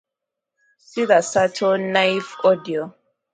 See The Subtle Knife Audio.